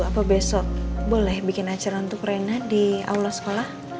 apa besok boleh bikin acara untuk reina di allah sekolah